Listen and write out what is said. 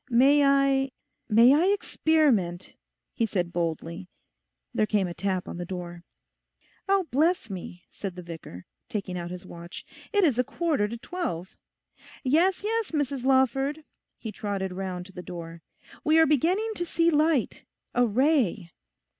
'May I, may I experiment?' he said boldly. There came a tap on the door. 'Bless me,' said the vicar, taking out his watch, 'it is a quarter to twelve. 'Yes, yes, Mrs Lawford,' he trotted round to the door. 'We are beginning to see light—a ray!